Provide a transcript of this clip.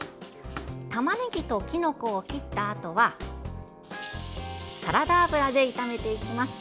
たまねぎときのこを切ったあとはサラダ油で炒めていきます。